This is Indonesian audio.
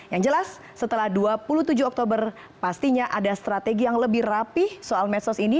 yang jelas setelah dua puluh tujuh oktober pastinya ada strategi yang lebih rapih soal medsos ini